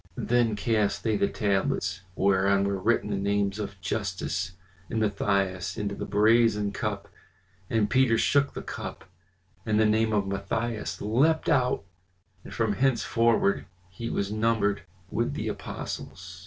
Then cast they the tablets, whereon were written the names of Justus and Matthias, into the brazen cup; and Peter shook the cup, and the name of Matthias leapt out, and from henceforward he was numbered with the apostles.